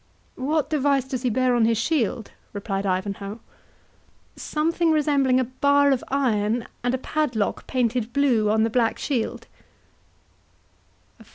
"What device does he bear on his shield?" replied Ivanhoe. "Something resembling a bar of iron, and a padlock painted blue on the black shield."